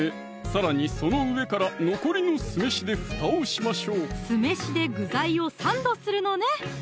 さらにその上から残りの酢飯でふたをしましょう酢飯で具材をサンドするのね！